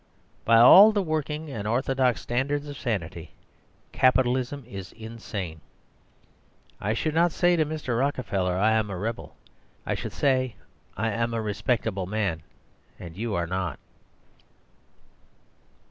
By all the working and orthodox standards of sanity, capitalism is insane. I should not say to Mr. Rockefeller "I am a rebel." I should say "I am a respectable man: and you are not."